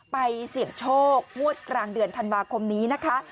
ไปเสี่ยงโชคงวดกลางเดือนธันวาคมนี้นะคะ